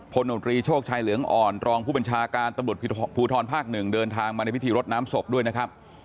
โนตรีโชคชัยเหลืองอ่อนรองผู้บัญชาการตำรวจภูทรภาคหนึ่งเดินทางมาในพิธีรดน้ำศพด้วยนะครับ